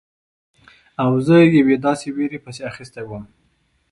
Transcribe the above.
او زه یوې داسې ویرې پسې اخیستی وم.